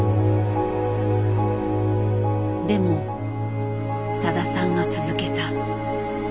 でもさださんは続けた。